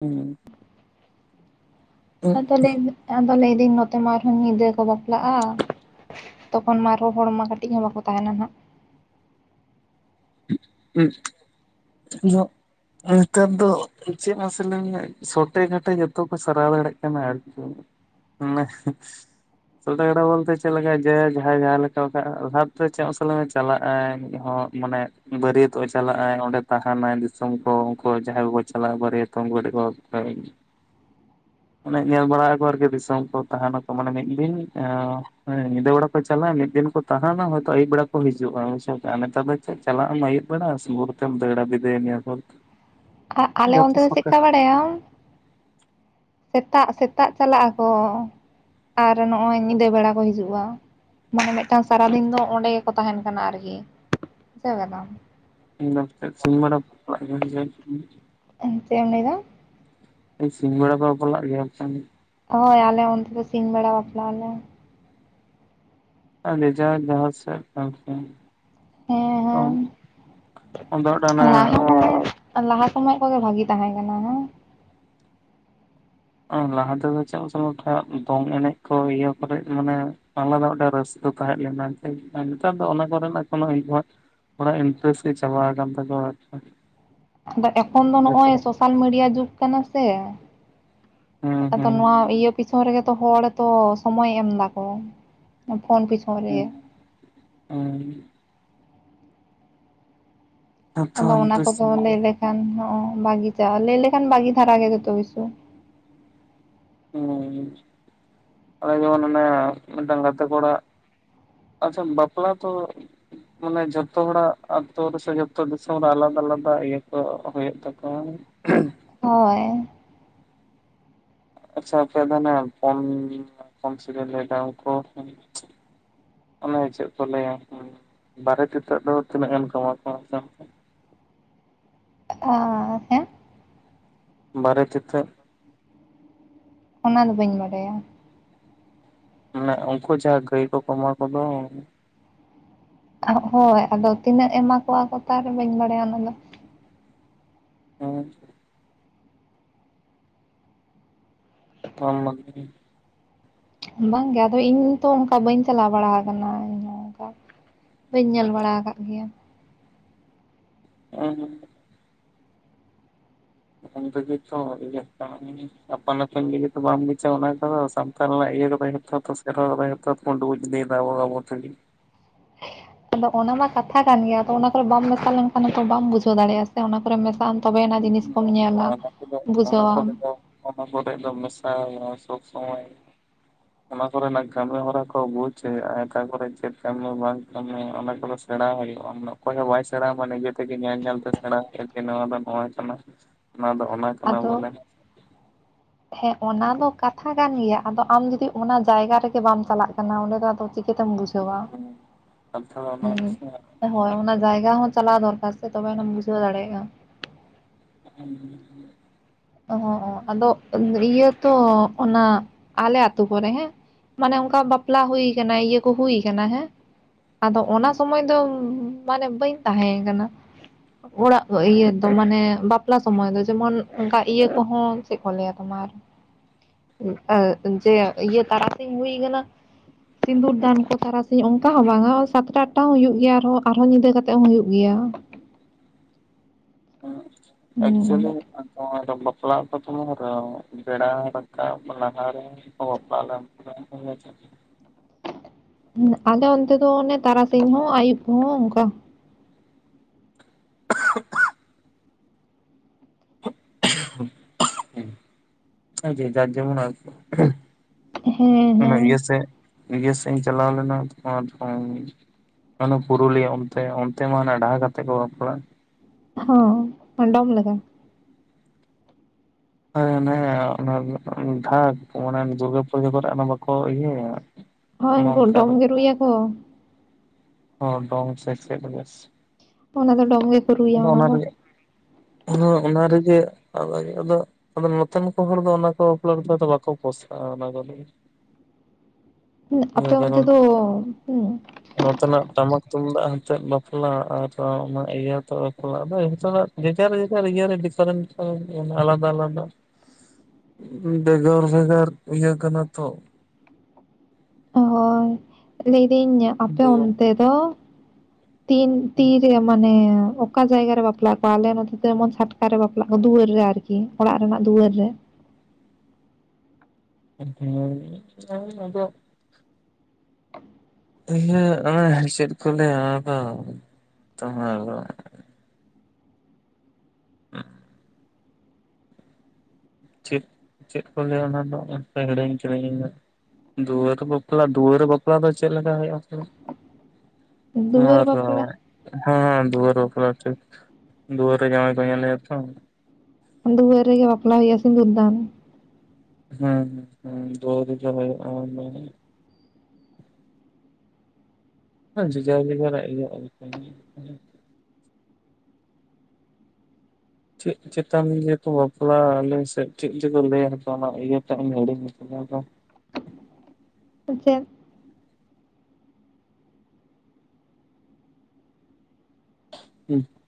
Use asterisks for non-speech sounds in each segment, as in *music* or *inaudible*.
ᱦᱩᱸ ᱾ ᱟᱫᱚ ᱞᱮᱸᱭ ᱫᱤᱹᱧ, ᱟᱫᱚ ᱞᱟᱹᱭ ᱫᱟ. ᱧ ᱱᱚᱛᱮ ᱢᱟ, ᱟᱨᱦᱚᱸ ᱧᱤᱸᱫᱟᱹ ᱠᱚ ᱵᱟᱯᱞᱟᱜᱼᱟ ᱾ ᱛᱚᱠᱷᱚᱱ ᱢᱟ ᱟᱨᱦᱚᱸ ᱦᱚᱲ ᱢᱟ ᱠᱟᱹᱴᱤᱡ, ᱦᱚᱸ ᱵᱟᱠᱚ ᱛᱟᱦᱮᱱ ᱦᱟᱱᱷᱟᱜ ᱾ *unintelligible* ᱳᱩᱸ ᱡᱚ *unintelligible* ᱱᱮᱛᱟᱨ ᱫᱚ, ᱟᱼᱜ ᱪᱮᱫ ᱦᱚᱸ, ᱞᱟ. ᱭ ᱥᱟᱱᱟ ᱢᱮᱭᱟ ᱥᱚᱴᱮ ᱠᱟᱴᱮ ᱡᱚᱛᱚ ᱠᱚ ᱥᱟᱨᱟᱣ ᱫᱟᱲᱮᱭᱟᱜ ᱠᱟᱱᱟ ᱾ ᱟᱨᱠᱤ ᱢᱟ-ᱥᱤᱠᱥ, *unintelligible* *unintelligible* ᱵᱚᱞᱛᱮ ᱪᱮᱫ ᱞᱮᱠᱟ, ᱡᱮ ᱡᱟᱦᱟᱸᱭ ᱡᱟᱦᱟᱸ ᱞᱮᱠᱟ, *unintelligible* ᱪᱟᱞᱟᱜ ᱟᱭ, ᱢᱤᱫ ᱦᱚᱸ ᱢᱟᱱᱮ ᱵᱟᱹᱨᱭᱟ. ᱛᱚᱜ ᱪᱟᱞᱟᱜ ᱟᱭ, ᱚᱸᱰᱮ ᱛᱟᱦᱮᱱᱟᱭ, ᱫᱤᱥᱚᱢ ᱠᱚ ᱩᱱᱠᱩ ᱡᱟᱦᱟᱸᱭ ᱠᱚᱠᱚ ᱪᱟᱞᱟᱜᱼᱟ ᱾ ᱵᱟᱹᱨᱭᱟᱹᱛᱚᱜ ᱩᱱᱠᱩ ᱠᱟᱹᱴᱤᱡ ᱠᱚ ᱾ *inaudible* ᱟᱱᱮ ᱧᱮᱞ ᱵᱟᱲᱟ ᱭᱟᱠᱚ, ᱟᱨᱠᱤ ᱫᱤᱥᱚᱢ ᱠᱚ ᱛᱟᱦᱮᱱᱟ ᱠᱚ ᱢᱟᱱᱮ, ᱢᱤᱫ ᱫᱤᱱ ᱦᱮᱸ, ᱧᱤᱫᱟᱹ ᱵᱮᱲᱟ ᱠᱚ ᱪᱟᱞᱟᱜᱼᱟ, ᱢᱤᱫ ᱫᱤᱱ ᱠᱚ ᱛᱟᱦᱮᱱᱟ ᱾ ᱦᱚᱭᱛᱳ, ᱟᱹᱭᱩᱵ ᱵᱮᱲᱟ ᱠᱚ ᱦᱤᱡᱩᱜᱼᱟ, ᱩᱭᱥᱚᱵ ᱛᱮ, *inaudible* ᱱᱮᱛᱟᱨ ᱫᱚ ᱪᱮᱫ? ᱪᱟᱞᱟᱜ ᱟᱢ ᱟᱹᱭᱩᱵ ᱵᱮᱲᱟ᱾ᱟᱨ ᱥᱩᱵᱷᱚ ᱵᱷᱳᱩᱨ ᱛᱮᱢ ᱫᱟᱹᱲᱟ ᱵᱤᱫᱟᱹᱭ ᱢᱮᱭᱟ ᱠᱚ ᱾ ᱠᱟ ᱠᱟᱞᱮ, ᱚᱱᱛᱮ ᱫᱚ ᱥᱤᱠᱟ ᱵᱟᱰᱟ ᱭᱟᱢ? ᱥᱮᱛᱟᱜ, ᱥᱮᱛᱟᱜ ᱪᱟᱞᱟᱜ ᱟᱠᱚ ᱾ ᱟᱨ ᱱᱚᱜᱼᱚᱭ ᱧᱤᱫᱟᱹ ᱵᱮᱲᱟ ᱠᱚ ᱦᱤᱡᱩᱜᱼᱟ ᱾ ᱢᱟᱱᱮ, ᱢᱤᱫᱴᱟᱝ ᱥᱟᱨᱟ ᱫᱤᱱ ᱫᱚ, ᱚᱱᱰᱮ ᱜᱮᱠᱚ ᱛᱟᱦᱮᱱ ᱠᱟᱱᱟ ᱟᱨᱜᱮ, ᱵᱩᱡᱷᱟᱹᱣ ᱠᱟᱫᱟᱢ *unintelligible* ᱪᱮᱫ ᱮᱢ ᱞᱟᱹᱭᱮᱫᱟ? ᱥᱤᱧ ᱵᱮᱲᱟ ᱠᱚ, ᱵᱟᱯᱞᱟᱜ ᱜᱮᱭᱟ? ᱦᱳᱭ! ᱟᱞᱮ ᱚᱱᱛᱮ ᱫᱚ ᱥᱤᱧ ᱵᱮᱲᱟ ᱵᱟᱯᱞᱟ ᱟᱞᱮ ᱾ *unintelligible* *unintelligible* *unintelligible* ᱦᱮᱸ *unintelligible* ᱚᱱᱟ ᱦᱮᱸ ᱞᱟᱦᱟ ᱞᱟᱦᱟ ᱥᱚᱢᱚᱭ ᱠᱚᱜᱮ, ᱵᱷᱟᱹᱜᱤ ᱛᱟᱦᱮᱸ ᱠᱟᱱᱟ ᱾ ᱞᱟᱦᱟ ᱛᱮᱫᱚ *unintelligible* ᱫᱚᱝ ᱮᱱᱮᱡ ᱠᱚ ᱤᱭᱟᱹ ᱠᱚᱨᱮ ᱢᱟᱱᱮ ᱟᱞᱟᱫᱟ ᱢᱤᱫᱴᱟᱝ ᱨᱟᱹᱥ ᱠᱟ ᱛᱟᱦᱮᱸ ᱞᱮᱱᱟ ᱱᱮᱛᱟᱨ ᱫᱚ ᱚᱱᱟ ᱠᱚᱨᱮᱱᱟᱜ ᱠᱳᱱᱳ *unintelligible* ᱛᱷᱚᱲᱟ ᱤᱱᱴᱟᱨᱮᱥᱴ ᱜᱮ ᱪᱟᱵᱟ ᱟᱠᱟᱱ ᱛᱟᱠᱚᱣᱟ ᱾ ᱟᱫᱚ ᱮᱠᱷᱚᱱ ᱫᱚ ᱱᱚᱜᱼᱚᱭ ᱥᱳᱥᱟᱞ ᱢᱤᱰᱤᱭᱟ ᱡᱩᱜᱽ ᱠᱟᱱᱟ ᱥᱮ ᱦᱩᱸ ᱟᱫᱚ ᱦᱩᱸ ᱱᱚᱣᱟ ᱤᱭᱟᱹ ᱯᱤᱪᱷᱚᱱ ᱨᱮᱜᱮ ᱛᱚ ᱦᱚᱲ ᱛᱚ ᱥᱚᱢᱚᱭ ᱮᱢ ᱫᱟᱠᱚ ᱯᱷᱳᱱ ᱯᱤᱪᱷ *inaudible* ᱡᱚᱛᱚ ᱟᱫᱚ ᱚᱱᱟ ᱤᱱᱴᱟᱨᱮᱥᱴ ᱠᱚᱫᱚ ᱪᱟᱵᱟ ᱞᱟᱹᱭ ᱞᱮᱠᱷᱟᱱ ᱱᱚᱜ ᱵᱟᱹᱜᱤ ᱪᱟ ᱞᱟᱹᱭ ᱞᱮᱠᱷᱟᱱ ᱵᱷᱟᱜᱤ ᱫᱷᱟᱨᱟ ᱜᱮ ᱡᱚᱛᱚ ᱠᱤᱥᱩ ᱾ ᱦᱩᱸ ᱟᱞᱮ ᱡᱮᱢᱚᱱ ᱢᱮᱱᱟᱭᱟ ᱢᱤᱫᱴᱟᱝ ᱜᱟᱛᱮ ᱠᱚᱲᱟ ᱟᱥᱚᱞ ᱵᱟᱯᱞᱟ ᱛᱚ ᱢᱟᱱᱮ ᱡᱷᱚᱛᱚ ᱦᱚᱲᱟᱜ ᱟᱛᱩ ᱨᱮ ᱥᱮ ᱡᱚᱛᱚ ᱫᱤᱥᱚᱢ ᱨᱮ ᱟᱞᱟᱫᱟ - ᱟᱞᱟᱫᱟ ᱤᱭᱟᱹ ᱠᱚ ᱦᱩᱭᱩᱜ ᱛᱟᱠᱚᱣᱟ ᱾ ᱦᱮᱸ ᱦᱳᱭ ᱟᱪᱪᱷᱟ ᱟᱯᱮ ᱫᱚ ᱚᱱᱮ ᱯᱚᱱ *unintelligible* ᱚᱱᱮ ᱪᱮᱫ ᱠᱚ ᱞᱟᱹᱭᱟ ᱵᱟᱨᱮᱛ ᱤᱛᱟᱹᱫ ᱫᱚ ᱛᱤᱱᱟᱹᱜ ᱜᱟᱱ ᱠᱚ ᱮᱢᱟ ᱠᱚᱣᱟ? ᱟ ᱦᱮᱸ ᱵᱟᱨᱮ ᱛᱤᱛᱟᱹᱜ ᱚᱱᱟ ᱫᱚ ᱵᱟᱹᱧ ᱵᱟᱰᱟᱭᱟ ᱾ ᱢᱟᱱᱮ ᱩᱱᱠᱩ ᱡᱟᱦᱟᱸ ᱜᱟᱹᱭ ᱠᱚᱠᱚ ᱮᱢᱟ ᱠᱚᱫᱚ ᱾ ᱦᱳᱭ ᱟᱫᱚ ᱛᱤᱱᱟᱹᱜ ᱮᱢᱟ ᱠᱚᱣᱟ ᱠᱚ ᱛᱟᱨ ᱨᱮ ᱵᱟᱹᱧ ᱵᱟᱲᱟᱭᱟ ᱚᱱᱟ ᱫᱚ ᱾ ᱟᱪᱪᱷᱟ ᱾ *inaudible* ᱵᱟᱝᱜᱮ ᱟᱫᱚ ᱤᱧ ᱛᱚ ᱚᱱᱠᱟ ᱵᱟᱹᱧ ᱪᱟᱞᱟᱣ ᱵᱟᱲᱟ ᱠᱟᱱᱟ ᱤᱧ ᱦᱚᱸ ᱚᱱᱠᱟ ᱾ ᱵᱟᱹᱧ ᱧᱮᱞ ᱵᱟᱲᱟ ᱠᱟᱫ ᱜᱮᱭᱟ ᱾ *inaudible* ᱩᱱ ᱨᱮᱜᱮ ᱛᱚ ᱤᱧᱟᱹᱜ ᱠᱟᱱ ᱾ ᱟᱯᱟᱱ ᱟᱯᱤᱱ ᱜᱮᱞᱮ ᱛᱚ ᱵᱟᱢ ᱵᱩᱡᱟ ᱚᱱᱟ ᱠᱚᱫᱚ ᱥᱟᱱᱛᱟᱞ ᱤᱭᱟᱹ ᱫᱚ *unintelligible* ᱩᱰᱩᱭᱡ ᱤᱫᱤᱫᱟᱰᱚ ᱟᱵᱚ ᱛᱮᱜᱮ ᱜᱮ ᱾ ᱦᱮᱸ ᱟᱫᱚ ᱚᱱᱟ ᱢᱟ ᱠᱟᱛᱷᱟ ᱠᱟᱱ ᱜᱮᱭᱟ ᱟᱫᱚ ᱚᱱᱟ ᱠᱚᱨᱮ ᱵᱟᱢ ᱢᱮᱥᱟ ᱞᱮᱱᱠᱷᱟᱱ ᱛᱚ ᱵᱟᱢ ᱵᱩᱡᱷᱟᱹᱣ ᱫᱟᱲᱮᱭᱟᱜᱼᱟ ᱥᱮ ᱚᱱᱟ ᱠᱚᱨᱮ ᱢᱮᱥᱟᱜ ᱟᱢ ᱛᱚᱵᱮᱭᱟᱱᱟᱜ ᱡᱤᱱᱤᱥ ᱠᱚᱢ ᱧᱮᱞᱟ ᱚᱱᱟ ᱠᱚᱫᱚ ᱚᱱᱟ ᱵᱩᱡᱷᱟᱹᱣᱟᱢ ᱠᱚᱨᱮ ᱾ ᱫᱚ ᱚᱱᱟ ᱠᱚᱨᱮᱜ ᱫᱚ ᱢᱮᱥᱟ ᱥᱚᱵ ᱥᱚᱢᱚᱭ ᱚᱱᱟ ᱠᱚᱨᱮᱱᱟᱜ ᱠᱟᱹᱢᱤ ᱦᱚᱨᱟ ᱠᱚ ᱵᱩᱡ ᱦᱩᱭᱩᱜᱼᱟ ᱟᱠᱟ ᱠᱚᱨᱮ ᱪᱮᱫ ᱠᱟᱹᱢᱤ ᱵᱟᱝ ᱠᱟᱹᱢᱤ ᱚᱱᱟ ᱠᱚᱫᱚ ᱥᱮᱬᱟ ᱦᱩᱭᱩᱜᱼᱟ ᱾ ᱚᱠᱚᱭ ᱦᱚᱸ ᱵᱟᱭ ᱥᱮᱬ ᱟᱢᱟ ᱱᱤᱡᱮ ᱛᱮᱜᱮ ᱧᱮᱞ ᱧᱮᱞᱛᱮ ᱥᱮᱬᱟ ᱮᱱᱛᱮ ᱱᱚᱣᱟ ᱫᱚ ᱱᱚᱣᱟ ᱚᱱᱟ ᱫᱚ ᱚᱱᱟ ᱠᱟᱱᱟ ᱟᱫᱚ ᱵᱚᱞᱮ *inaudible* ᱦᱮᱸ ᱚᱱᱟ ᱫᱚ ᱠᱟᱛᱷᱟ ᱠᱟᱱ ᱜᱮᱭᱟ ᱟᱫᱚ ᱟᱢ ᱡᱩᱫᱤ ᱚᱱᱟ ᱡᱟᱭᱜᱟ ᱨᱮᱜᱮ ᱵᱟᱢ ᱪᱟᱞᱟᱜ ᱠᱟᱱᱟ ᱚᱸᱰᱮ ᱫᱚ ᱟᱫᱚ ᱪᱤ ᱠᱟᱹᱛᱮᱢ ᱵᱩᱡᱷᱣᱟ, ᱠᱟᱛᱷᱟ ᱫᱚ ᱚᱱᱟ ᱜᱮᱥᱮ ᱦᱩᱸ ᱦᱳᱭ ᱚᱱᱟ ᱡᱟᱭᱜᱟ ᱦᱚᱸ ᱪᱟᱞᱟᱣ ᱫᱚᱨᱠᱟᱨ ᱥᱮ ᱛᱚᱵᱮ ᱟᱱᱟᱢ ᱵᱩᱡᱷᱟᱹᱣ ᱫᱟᱲᱮᱜᱼᱟ ᱾ ᱦᱩᱸ ᱚ ᱚ ᱟᱫᱚ ᱤᱭᱟᱹ ᱛᱚ ᱚᱱᱟ ᱟᱞᱮ ᱟ ᱟᱹᱛᱩ ᱠᱚᱨᱮᱜ ᱦᱮᱸ ᱢᱟᱱᱮ ᱚᱱᱠᱟ ᱵᱟᱯᱞᱟ ᱦᱩᱭ ᱠᱟᱱᱟ ᱤᱭᱟᱹ ᱠᱚ ᱦᱩᱭ ᱠᱟᱱᱟ ᱦᱮᱸ ᱟᱫᱚ ᱚᱱᱟ ᱥᱚᱢᱚᱭ ᱫᱚ ᱢᱟᱱᱮ ᱵᱟᱹᱧ ᱛᱟᱦᱮᱸ ᱠᱟᱱᱟ ᱾ ᱚᱲᱟᱜ ᱤᱭᱟᱹ ᱫᱚ ᱢᱟᱱᱮ ᱵᱟᱯᱞᱟ ᱥᱚᱢᱚᱭ ᱫᱚ ᱡᱮᱢᱚᱱ ᱚᱱᱠᱟᱡ ᱤᱭᱟᱹ ᱠᱚᱦᱚᱸ ᱪᱮᱫ ᱠᱚ ᱞᱟᱹᱭᱟ ᱛᱳᱢᱟᱨ ᱟᱹ ᱡᱮ ᱤᱭᱟᱹ ᱛᱟᱨᱟᱥᱤᱧ ᱦᱩᱭ ᱠᱟᱱᱟ ᱥᱤᱸᱫᱩᱨ ᱫᱟᱱ ᱠᱚ ᱛᱟᱨᱟᱥᱤᱧ ᱚᱱᱠᱟ ᱦᱚᱸ ᱵᱟᱝᱟ ᱥᱟᱛᱴᱟ ᱟᱴᱴᱟ ᱦᱚᱸ ᱦᱩᱭᱩᱜ ᱜᱮᱭᱟ ᱟᱨᱚᱸ ᱟᱨᱦᱚᱸ ᱧᱤᱫᱟᱹ ᱠᱟᱛᱮᱜ ᱦᱚᱸ ᱦᱩᱭᱩᱜ ᱜᱮᱭᱟ ᱾ ᱮᱸ ᱮᱠᱪᱩᱞᱞᱤ ᱦᱩᱸ *inaudible* *inaudible* ᱵᱮᱲᱟ ᱨᱟᱠᱟᱵ ᱞᱟᱦᱟᱨᱮ ᱾ *inaudible* ᱦᱩᱸ ᱟᱞᱮ ᱚᱱᱛᱮ ᱫᱚ ᱚᱱᱮ ᱛᱟᱨᱟᱥᱤᱧ ᱦᱚᱸ ᱟᱭᱩᱵ ᱠᱚᱦᱚᱸ ᱚᱱᱠᱟ ᱾ ᱪᱮᱫ ᱦᱚᱸ ᱵᱟᱝ ᱠᱷᱟᱹᱞᱤ ᱠᱷᱩᱠ ᱟᱸᱡᱚᱢᱚᱜ ᱠᱟᱱᱟ ᱡᱷᱮ-ᱡᱷᱟᱨ ᱡᱮᱢᱚᱱ ᱟᱨ ᱠᱤ ᱦᱮᱸ ᱦᱮᱸ ᱤᱭᱟᱹ ᱥᱮᱫ-ᱤᱭᱟᱹ ᱥᱮᱫ ᱤᱧ ᱪᱟᱞᱟᱣ ᱞᱮᱱᱟ ᱯᱩᱨᱩᱞᱤᱭᱟᱹ ᱚᱱᱛᱮ, ᱚᱱᱛᱮ ᱢᱟ ᱱᱟ ᱰᱷᱟᱠ ᱟᱛᱮ ᱠᱚ ᱵᱟᱯᱞᱟᱜ-ᱟ ᱾ ᱦᱚᱸ ᱰᱚᱢ ᱞᱮᱠᱟ ᱾ ᱦᱮᱸ ᱚᱱᱮ ᱚᱱᱟ ᱫᱷᱟᱠ ᱢᱟᱱᱮ ᱫᱩᱨᱜᱟᱹ ᱯᱩᱡᱟᱹ ᱠᱚᱨᱮ ᱚᱱᱟ ᱵᱟᱠᱚ ᱤᱭᱟᱹᱭᱟ ᱦᱚᱸ ᱚᱱᱮ ᱩᱱᱠᱩ ᱚᱱᱠᱟ ᱰᱚᱢ ᱜᱮ ᱨᱩᱭᱟᱠᱚ ᱾ ᱦᱚᱸ ᱰᱚᱢ ᱥᱮ ᱪᱮᱫ ᱚᱱᱟ ᱫᱚ ᱰᱚᱢ ᱜᱮᱠᱚ ᱨᱩᱭᱟ ᱚᱱᱟ ᱫᱚ ᱾ ᱦᱚᱸ ᱚᱱᱟ ᱨᱮᱜᱮ ᱟᱫᱷᱟ ᱧᱤᱫᱟᱹ ᱫᱚ ᱟᱫᱚ ᱱᱚᱛᱮᱱ ᱠᱚ ᱦᱚᱲ ᱫᱚ ᱚᱱᱟ ᱠᱚ ᱵᱟᱯᱞᱟ ᱨᱮᱫᱚ ᱵᱟᱠᱚ ᱯᱚᱥᱟᱜᱼᱟ ᱾ ᱚᱱᱟ ᱠᱚᱫᱚ ᱪᱮᱫ ᱦᱚᱸ ᱵᱟᱝ ᱟᱸᱡᱚᱢᱚᱜ ᱠᱟᱱᱟ ᱦᱩᱸ ᱟᱯᱮ ᱚᱱᱛᱮ ᱫᱚ ᱦᱩᱸ ᱱᱚᱛᱮᱱᱟᱜ ᱴᱟᱢᱟᱠ, ᱛᱩᱢᱫᱟᱜ ᱟᱱᱛᱮᱫ ᱵᱟᱯᱞᱟ ᱟᱨ ᱚᱱᱟ ᱤᱭᱟᱹᱛᱮ ᱵᱟᱯᱞᱟ ᱫᱚ ᱱᱤᱛᱚᱜᱟᱜ ᱡᱮ ᱡᱷᱟᱨ-ᱡᱮ ᱡᱷᱟᱨ ᱤᱭᱟᱹ ᱨᱮ ᱰᱤᱯᱷᱟᱨᱮᱱᱴ ᱫᱚ ᱟᱞᱟᱫᱟ-ᱟᱞᱟᱫᱟ ᱾ ᱵᱷᱮᱜᱟᱨ-ᱵᱷᱮᱜᱟᱨ ᱤᱭᱟᱹ ᱠᱟᱱᱟ ᱛᱚ ᱦᱚᱭ ᱞᱟᱹᱭᱫᱟᱹᱧ ᱟᱯᱮ ᱱᱤᱭᱚᱢ ᱚᱱᱛᱮ ᱫᱚ ᱛᱤᱱ -ᱛᱤᱨᱮ ᱢᱟᱱᱮ ᱚᱠᱟ ᱡᱟᱭᱜᱟ ᱨᱮ ᱵᱟᱯᱞᱟᱜ ᱠᱚᱣᱟ ᱟᱞᱮ ᱱᱚᱛᱮ ᱡᱮᱢᱚᱱ ᱪᱷᱟᱴᱠᱟᱮ ᱵᱟᱯᱞᱟᱜ ᱠᱚ ᱫᱩᱣᱟᱹᱨ ᱨᱮ ᱟᱨᱠᱤ ᱠᱤ ᱚᱲᱟᱜ ᱨᱮᱱᱟᱜ ᱫᱩᱣᱟᱹᱨ ᱨᱮ ᱦᱮᱸ ᱦᱚᱭ ᱟᱫᱚ ᱤᱭᱟᱹ ᱚᱱᱟ ᱦᱸᱥᱮᱫ ᱠᱚ ᱞᱟᱹᱭᱟ ᱛᱚᱢᱟᱨ ᱫᱚ ᱦᱚᱸ ᱪᱮᱫ, ᱪᱮᱫ ᱠᱚ ᱞᱟᱹᱭᱟ ᱚᱱᱟ ᱫᱚ ᱦᱤᱲᱤᱧ ᱠᱟᱫᱟᱹᱧ ᱤᱧᱫᱚ ᱫᱩᱣᱟᱹᱨ ᱵᱟᱯᱞᱟ-ᱫᱩᱣᱟᱹᱨ ᱵᱟᱯᱞᱟ ᱫᱚ ᱪᱮᱫ ᱞᱮᱠᱟ ᱦᱩᱭᱩᱜ ᱟ ᱢᱟᱥᱮ ᱞᱟᱹᱭᱢᱮ? ᱫᱩᱣᱟᱹᱨ ᱵᱟᱯᱞᱟ ᱢᱟᱨᱚᱜ ᱦᱮᱸᱻᱦᱮᱸ ᱫᱩᱣᱟᱹᱨ ᱵᱟᱯᱞᱟ ᱠᱷᱤᱠ ᱫᱩᱟᱹᱨ ᱨᱮ ᱡᱶᱟᱭ ᱠᱚ ᱧᱮᱞᱮᱭᱟ ᱛᱚ ᱫᱩᱣᱟᱹᱨ ᱨᱮᱜᱮ ᱵᱟᱯᱞᱟ ᱦᱩᱭᱩᱜ-ᱟ ᱥᱤᱫᱩᱨᱫᱟᱱ ᱦᱮᱸ ᱦᱩᱸ ᱫᱩᱣᱟᱹᱨ ᱨᱮᱜᱮ ᱪᱟᱵᱟᱭᱚᱜ -ᱟ ᱢᱟ ᱞᱟᱹᱭ ᱵᱤᱱ ᱡᱮ-ᱡᱷᱟᱨ-ᱡᱮ-ᱡᱷᱟᱨ ᱤᱭᱟᱹ ᱟᱨ ᱠᱤ ᱪᱮᱫ ᱪᱮᱛᱟᱱ ᱤᱭᱟᱹ ᱠᱚ ᱵᱟᱯᱞᱟᱜ-ᱟ ᱟᱞᱮ ᱥᱮᱫ ᱪᱮᱫ ᱪᱚᱠᱚ ᱞᱟᱹᱭᱟᱠᱚ ᱚᱱᱟ ᱤᱭᱟᱹᱴᱟᱜ ᱤᱧ ᱦᱤᱲᱤᱧ ᱟᱠᱟ ᱟᱫᱚ ᱪᱮᱫ?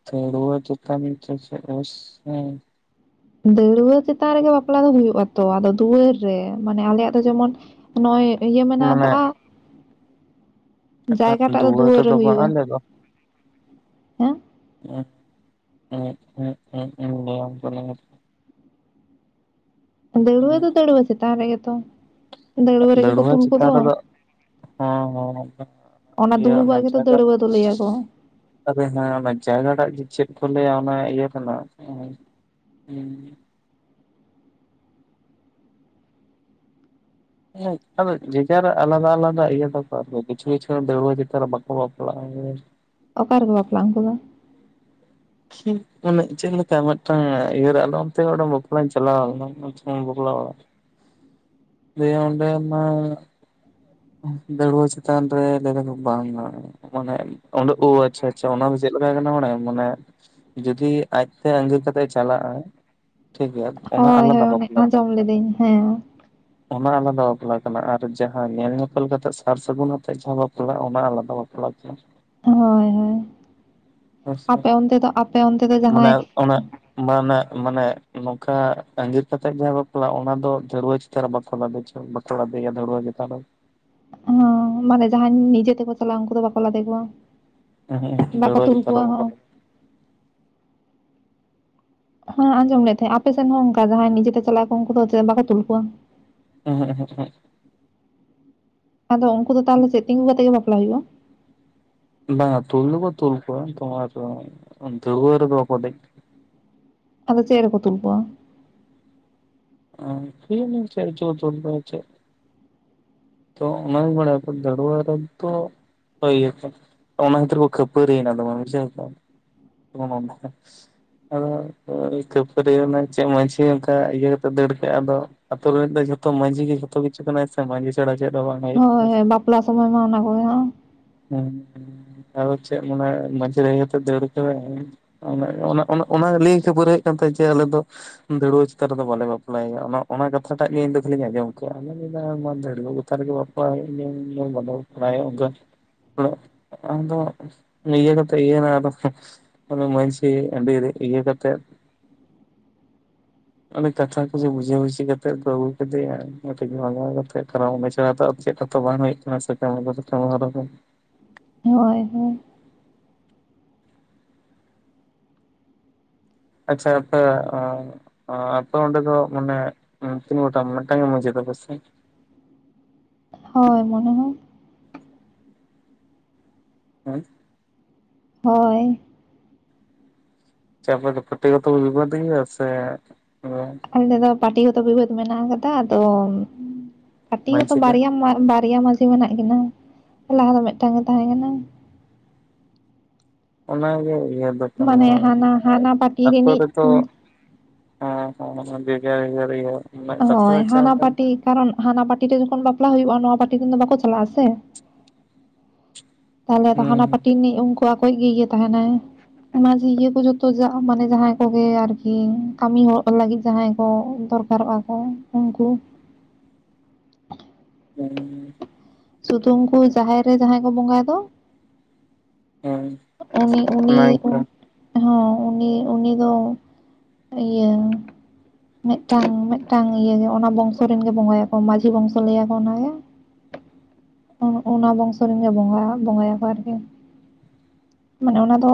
ᱦᱩᱸ ᱫᱟᱹᱣᱲᱟᱹ ᱪᱮᱛᱟᱱ ᱥᱮ ᱪᱮᱫ ᱫᱟᱹᱣᱲᱟᱹ ᱪᱮᱛᱟᱱ ᱨᱮᱜᱮ ᱵᱟᱯᱞᱟ ᱫᱚ ᱦᱩᱭᱩᱜ ᱟᱛᱚ ᱟᱫᱚ ᱫᱩᱣᱟᱹᱨ ᱨᱮ ᱢᱟᱱᱮ ᱟᱞᱮᱭᱟᱜ ᱫᱚ ᱡᱮᱢᱚᱱ ᱱᱚᱜ ᱚᱭ ᱤᱭᱟᱹ ᱢᱮᱱᱟᱜ ᱢᱟᱱᱮ ᱟᱠᱟᱜ-ᱟ ᱫᱚ ᱫᱩᱣᱟᱹᱨ ᱨᱮ ᱨᱮᱫᱚ ᱵᱟᱝ ᱦᱩᱭᱩᱜᱼᱟ ᱞᱮᱫ ᱫᱚ ᱦᱮᱸ ᱮᱸᱜᱻ ᱮᱸᱜ ᱻ ᱮᱸᱜᱻ ᱮᱸᱜᱻ ᱵᱟᱝ ᱠᱟᱱᱟ ᱫᱟᱹᱲᱩᱣᱟᱹ ᱫᱚ ᱫᱟᱹᱲᱩᱣᱟᱹ ᱪᱮᱛᱟᱱ ᱨᱮᱜᱮ ᱛᱚ ᱫᱟᱹᱲᱣᱟᱹ ᱨᱮᱜᱮ ᱠᱚ ᱫᱟᱹᱲᱩᱣᱟᱹ ᱛᱩᱞ ᱪᱮᱛᱟᱱ ᱨᱮᱫᱚ ᱠᱚᱫᱚ ᱦᱚᱸ- ᱦᱚᱸ ᱚᱱᱟ ᱤᱭᱟᱹ ᱚᱱᱮ ᱫᱩᱲᱩᱵᱟᱜ ᱜᱮᱛᱚ ᱡᱟᱭᱜᱟ ᱫᱟᱹᱲᱣᱟᱹ ᱫᱚ ᱞᱟᱹᱭᱟᱠᱚ - - ᱡᱟᱭᱜᱟ ᱴᱟᱜ ᱪᱮᱫ ᱠᱚ ᱞᱟᱹᱭᱟ ᱚᱱᱟ ᱤᱭᱟᱹ ᱠᱟᱱᱟ ᱦᱮᱸ ᱟᱫᱚ ᱡᱮᱡᱷᱟᱨ ᱟᱞᱟᱫᱟ -ᱟᱞᱟᱫᱟ ᱤᱭᱟᱹ ᱛᱚᱠᱚ ᱠᱤᱪᱷᱩ- ᱠᱤᱪᱷᱩ ᱫᱚ ᱫᱟᱹᱲᱣᱟᱹ ᱪᱮᱛᱟᱱ ᱨᱮ ᱵᱟᱠᱚ ᱵᱟᱯᱞᱟᱜ-ᱟ᱾ ᱚᱠᱟ ᱨᱮᱠᱚ ᱵᱟᱯᱞᱟᱜ-ᱟ ᱩᱱᱠᱩ ᱫᱚ? ᱠᱷᱤ ᱢᱟᱱᱮ ᱪᱮᱫ ᱞᱮᱠᱟ ᱢᱤᱫᱴᱟᱝ ᱤᱭᱟᱹᱨ ᱟᱞᱚ ᱚᱱᱛᱮ ᱢᱤᱫᱴᱟᱝ ᱵᱟᱯᱞᱟᱧ ᱪᱟᱞᱟᱣ ᱞᱮᱱᱟ ᱵᱟᱯᱞᱟ ᱚᱲᱟᱜ ᱫᱟᱹᱭ ᱚᱸᱰᱮᱢᱟ ᱫᱟᱹᱲᱣᱟᱹ ᱪᱮᱛᱟᱱ ᱨᱮ ᱞᱮᱵᱮᱫᱚᱜ ᱵᱟᱝ-ᱟ ᱢᱟᱱᱮ ᱚᱸᱰᱮ ᱚ ᱟᱪᱷᱟ- ᱟᱪᱷᱟ ᱚᱱᱟ ᱫᱚ ᱪᱮᱫ ᱞᱮᱠᱟ ᱟᱠᱟᱱᱟ ᱵᱟᱲᱟᱭᱟᱢ ᱢᱟᱱᱮ ᱡᱩᱫᱤ ᱟᱡᱛᱮ ᱟᱜᱤᱨ ᱠᱟᱛᱮᱜ ᱮ ᱪᱟᱞᱟᱜᱼᱟ ᱴᱷᱤᱠᱜᱮᱭᱟ ᱚᱱᱟ ᱟᱞᱟᱫᱟ ᱵᱟᱯᱞᱟ ᱠᱟᱱᱟ ᱞᱟᱹᱭ ᱮᱫᱟᱹᱧ ᱦᱮᱸ ᱚᱱᱟ ᱟᱞᱟᱫᱟ ᱵᱟᱯᱞᱟ ᱠᱟᱱᱟ ᱟᱨ ᱡᱟᱦᱟᱸ ᱧᱮᱞ ᱧᱮᱯᱮᱞ ᱠᱟᱛᱮᱜ ᱥᱟᱨ ᱥᱟᱹᱜᱩᱱ ᱟᱛᱮᱜ ᱡᱟᱦᱟᱸ ᱵᱟᱯᱞᱟᱜ ᱚᱱᱟ ᱟᱞᱟᱫᱟ ᱵᱟᱯᱞᱟ *inaudible* ᱦᱳᱭ ᱦᱳᱭ ᱦᱮᱸᱥᱮ ᱟᱯᱮ ᱚᱱᱛᱮ ᱫᱚ ᱟᱯᱮ ᱚᱱᱛᱮ ᱫᱚ ᱢᱟᱱᱮ ᱡᱟᱦᱟᱸᱭ ᱚᱱᱮ ᱢᱟᱱᱮ ᱢᱟᱱᱮ ᱱᱚᱝᱠᱟ ᱟᱜᱤᱨ ᱠᱟᱛᱮᱜ ᱡᱟᱦᱟᱸ ᱵᱟᱯᱞᱟᱜ ᱚᱱᱟ ᱫᱚ ᱫᱟᱹᱨᱣᱟᱹ - - ᱵᱟᱠᱚ ᱞᱟᱫᱮ ᱵᱟᱠᱚ ᱠᱟᱫᱮᱭᱟ ᱫᱟᱹᱲᱣᱟᱹ ᱪᱮᱛᱟᱱ ᱨᱮᱫᱚ ᱚᱱᱟ ᱢᱟᱱᱮ ᱡᱟᱦᱟᱸᱭ ᱱᱤᱡᱮ ᱛᱮᱠᱚ ᱪᱟᱞᱟᱜ-ᱟ ᱩᱱᱠᱩ ᱫᱚ ᱵᱟᱠᱚ ᱞᱟᱫᱮ ᱠᱚᱣᱟ᱾ ᱵᱟᱠᱚ ᱫᱷᱟᱹᱲᱣᱟᱹ ᱛᱩᱞ ᱪᱮᱛᱟᱱ ᱠᱚᱣᱟ ᱨᱮ ᱵᱟᱠᱚ ᱦᱚᱸ, ᱞᱟᱫᱮ ᱦᱚᱸ ᱟᱸᱡᱚᱢ ᱞᱮᱫ ᱛᱟᱦᱮᱸᱫ ᱟᱯᱮᱥᱮᱱ ᱦᱚᱸ ᱚᱱᱠᱟᱜᱮ ᱦᱚᱭ ᱱᱤᱡᱮᱛᱮ ᱪᱟᱞᱟᱣ ᱠᱚ ᱩᱱᱠᱩ ᱫᱚ ᱪᱮᱫ ᱵᱟᱠᱚ ᱛᱩᱞ ᱠᱚᱣᱟ ᱮᱦᱮᱸᱜ ᱮᱦᱮᱸᱜ ᱮᱦᱮᱸᱜ ᱟᱫᱚ ᱩᱱᱠᱩ ᱫᱚ ᱩᱸᱦᱩᱜ ᱛᱟᱦᱚᱞᱮ ᱪᱮᱫ ᱛᱤᱜᱩ ᱠᱟᱛᱮᱜ ᱜᱮ ᱵᱟᱯᱞᱟ ᱦᱩᱭᱩᱜ-ᱟ? ᱵᱟᱝ-ᱟ ᱛᱩᱞ ᱫᱚᱠᱚ ᱛᱩᱞ ᱠᱚᱣᱟ ᱛᱚ ᱟᱫᱚ ᱫᱟᱹᱲᱣᱟᱹ ᱨᱮᱫᱚ ᱵᱟᱠᱚ ᱫᱮᱡ ᱠᱚᱣᱟ ᱟᱫᱚ ᱪᱮᱫ ᱨᱮᱠᱚ ᱛᱩᱞ ᱠᱚᱣᱟ? ᱠᱤ ᱡᱟᱱᱤ ᱪᱮᱫ ᱨᱮᱪᱚ ᱠᱚ ᱛᱩᱞ ᱠᱚᱣᱟ *unintelligible* ᱛᱚ ᱚᱱᱟ ᱜᱤᱧ ᱵᱟᱲᱟᱭᱟ ᱫᱟᱹᱲᱣᱟᱹ ᱨᱮ ᱛᱚ - - ᱚᱱᱟ ᱠᱷᱟᱹᱛᱤᱨ ᱠᱚ ᱠᱷᱟᱹᱯᱟᱹ ᱨᱤᱭᱮᱱᱟ ᱫᱚᱢᱮ ᱵᱩᱡᱷᱟᱹᱣ ᱠᱮᱜ ᱟᱢ ᱟᱫᱚ ᱠᱷᱟᱹᱯᱟᱹᱨᱤ ᱚᱱᱟ ᱪᱮᱫ ᱢᱟᱺᱡᱷᱤ ᱚᱱᱠᱟ ᱤᱭᱟᱹ ᱠᱟᱛᱮᱜ ᱫᱟᱹᱲ ᱠᱟᱜᱼᱟ ᱟᱫᱚ ᱟᱹᱛᱩ ᱨᱮᱱ ᱫᱚ ᱡᱷᱚᱛᱚ ᱢᱟᱺᱡᱷᱤ ᱜᱮ ᱡᱚᱛᱚ ᱠᱤᱪᱷᱩ ᱠᱟᱱᱟᱭ ᱥᱮ ᱢᱟᱡᱷᱤ ᱪᱷᱟᱨᱟ ᱪᱮᱫ ᱦᱚ ᱵᱟᱝ᱾ ᱦᱩᱭᱩᱜ ᱦᱳᱭ ᱦᱳᱭ ᱵᱟᱯᱞᱟ ᱥᱚᱢᱚᱭ ᱢᱟ ᱚᱱᱟ ᱠᱚᱜᱮ ᱦᱟ ᱦᱮᱸ ᱟᱫᱚ ᱪᱮᱫ ᱢᱟᱱᱮ ᱢᱟᱡᱷᱤ ᱞᱟᱹᱭ ᱠᱟᱛᱮ ᱫᱟᱲ ᱠᱮᱫᱟᱭ᱾ ᱚᱱᱟ ᱚᱱᱟ ᱞᱟᱹᱭ ᱠᱷᱟᱹᱵᱚᱨ ᱦᱩᱭᱩᱜ ᱠᱟᱱ ᱛᱟᱭ ᱡᱮ ᱟᱞᱮ ᱫᱚ ᱫᱟᱹᱨᱩᱣᱟᱹ ᱪᱮᱛᱟᱱ ᱨᱮᱫᱚ ᱵᱟᱞᱮ ᱵᱟᱯᱞᱟᱭᱟ ᱚᱱᱟ ᱠᱟᱛᱷᱟᱴᱟᱜ ᱜᱮ ᱤᱧ ᱠᱷᱟᱹᱞᱤᱧ ᱟᱸᱡᱚᱢ ᱠᱮᱜᱼᱟ, ᱟ ᱢᱮᱱᱫᱟ ᱠᱚᱛ ᱜᱮ ᱵᱟᱯ *unintelligible* ᱢᱚᱱ ᱟᱫᱚ ᱱᱤᱭᱟᱹ ᱠᱟᱛᱮᱜᱮ ᱟᱫᱚ ᱟᱫᱚ ᱢᱟᱡᱷᱤ ᱟᱰᱤ ᱤᱭᱟ ᱠᱟᱛᱮᱼᱼ ᱚᱱᱮ ᱠᱟᱛᱷᱟ ᱠᱚ ᱡᱮ ᱵᱩᱡᱷᱟᱹᱣᱩᱡᱤ ᱠᱟᱛᱮᱫ ᱫᱚ ᱟᱹᱜᱩ ᱠᱮᱫᱮᱭᱟ ᱠᱟᱹᱴᱤᱡ ᱵᱷᱟᱜᱟᱣ ᱠᱟᱛᱮ ᱛ ᱩᱱᱤᱚᱱᱮ ᱪᱮᱲᱟᱣ ᱪᱮᱫ? ᱚ ᱵᱟᱝ ᱦᱩᱭᱩᱜ ᱠᱟᱱᱟ ᱥ *unintelligible* ᱦᱳᱭ ᱦᱳᱭ᱾ ᱟᱪᱪᱷᱟ ᱟᱯᱮᱼᱼ ᱟᱯᱮ ᱚᱸᱰᱮ ᱫᱚ ᱢᱟᱱᱮ ᱛᱤᱱ ᱜᱚᱴᱟᱝ ᱢᱤᱫᱴᱟᱝ ᱜᱮ ᱢᱟᱡᱷᱤ ᱛᱟᱯᱮᱥᱮ? ᱦᱳᱭ ᱢᱚᱱᱮ ᱦᱚᱸ᱾ ᱦᱮᱸ ᱦᱳᱭ᱾ ᱪᱟᱯ ᱫᱚ ᱯᱟᱴᱤ ᱜᱚᱛ ᱠᱚ ᱵᱤᱵᱟᱫ ᱜᱮᱭᱟ ᱥᱮ ᱟᱞᱮ ᱫᱚ ᱯᱟᱴᱤ ᱜᱚᱸᱛᱚ ᱵᱤᱵᱟᱹᱫ ᱢᱮᱱᱟᱜ ᱟᱠᱟᱫᱟ ᱟᱫᱚ ᱠᱟᱹᱴᱤᱡ ᱦᱚᱸ ᱛᱚ ᱢᱟᱺᱡᱷᱤ ᱫᱚ ᱵᱟᱨ ᱵᱟᱨᱭᱟ ᱢᱟᱹᱡᱷᱤ ᱢᱮᱱᱟᱜ ᱠᱤᱱᱟᱹ ᱞᱟᱦᱟ ᱫᱚ ᱢᱤᱫᱴᱟᱝ ᱜᱮ ᱛᱟᱦᱮᱸ ᱠᱟᱱᱟ᱾ ᱚᱱᱟᱜᱮ ᱤᱭᱟᱹ ᱫᱚ ᱠᱟᱱᱟ ᱢᱟᱱᱮ ᱦᱟᱱᱟ ᱦᱟᱱᱟ ᱯᱟᱴᱤ ᱟᱹᱛᱳ ᱨᱤᱱᱤᱡ ᱨᱮᱫᱚ ᱦᱮᱸ ᱦᱮ ᱵᱟᱝ ᱟᱸᱡᱚᱢ ᱴᱷᱤᱠᱟᱹᱜ ᱠᱟᱱᱟ ᱦᱳᱭ ᱦᱟᱱᱟ ᱯᱟᱴᱤ ᱠᱟᱨᱚᱱ ᱦᱟᱱᱟ ᱯᱟᱴᱤ ᱨᱮ ᱡᱚᱠᱷᱚᱱ ᱵᱟᱯᱞᱟ ᱦᱩᱭᱩᱜᱼᱟ ᱱᱚᱣᱟ ᱯᱟᱴᱤ ᱫᱚ ᱵᱟᱠᱚ ᱪᱟᱞᱟᱜ ᱟ ᱥᱮ᱾ ᱛᱟᱦᱚᱞᱮ ᱨᱟᱦᱚᱞᱟ ᱦᱩᱸ ᱯᱟᱴᱤ ᱨᱤᱱᱤᱡ ᱩᱱᱠᱩ ᱟᱠᱚᱭᱤᱡ ᱜᱮ ᱤᱭᱟ ᱛᱟᱦᱮᱱᱟᱭ᱾ ᱢᱟᱡᱮ ᱤᱭᱟᱹ ᱠᱚ ᱡᱚᱛᱚ ᱢᱟᱱᱮ ᱡᱟᱦᱟᱸᱭ ᱠᱚᱜᱮ ᱟᱨᱠᱤ ᱠᱟᱹᱢᱤ ᱦᱚᱲ ᱞᱟᱹᱜᱤᱫ ᱡᱟᱦᱟᱸᱟᱭ ᱠᱚ, ᱫᱚᱨᱠᱟᱨᱚᱜᱼᱟ ᱠᱚ ᱩᱱᱠᱩ᱾ ᱦᱮᱸ ᱥᱩᱫᱩ ᱩᱱᱠᱩ ᱡᱟᱦᱮᱨ ᱨᱮ ᱡᱟᱦᱟᱸᱭ ᱠᱚ ᱵᱚᱸᱜᱟᱭ ᱫᱚ ᱦᱮᱸ ᱩᱱᱤ ᱩᱱᱤ ᱦᱚᱸ ᱩᱱᱤ ᱩᱱᱤ ᱫᱚ ᱤᱭᱟᱹ ᱢᱤᱫᱴᱟᱝ ᱢᱤᱫᱴᱟᱝ ᱤᱭᱟᱹᱜᱮ ᱚᱱᱟ ᱵᱚᱝᱥᱚ ᱨᱮᱱ ᱜᱮ ᱵᱚᱸᱜᱟᱭᱟᱠᱚ ᱢᱟᱹᱡᱷᱤ ᱵᱚᱝᱥᱚ ᱞᱟᱹᱭᱟᱠᱚ ᱚᱱᱟᱜᱮ᱾ *inaudible* ᱚᱱᱟ ᱵᱚᱝᱥᱚ ᱨᱮᱱ ᱜᱮ ᱵᱚᱸᱜᱟᱭ ᱵᱚᱸᱜᱟᱭᱟᱠᱚ ᱟᱨᱠᱤ᱾ ᱢᱟᱱᱮ ᱚᱱᱟ ᱫᱚ